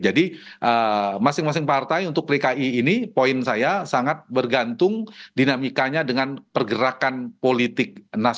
jadi masing masing partai untuk rki ini poin saya sangat bergantung dinamikanya dengan pergerakan politik